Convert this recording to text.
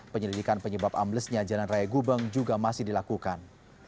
penyelidikan penyebab amblesnya jalan raya gubeng juga masih dilakukan